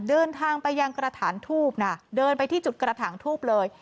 เดินทางไปยังกระถางทูบนะเดินไปที่จุดกระถางทูบเลย